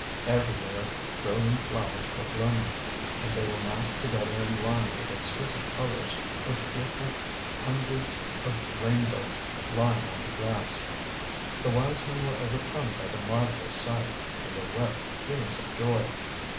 Everywhere brilliant flowers were blooming, and they were massed together in lines of exquisite colors, which looked like hundreds of rainbows lying on the grass. The wise men were overcome by the marvelous sight, and they wept tears of joy.